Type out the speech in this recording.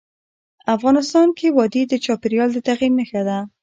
افغانستان کې وادي د چاپېریال د تغیر نښه ده.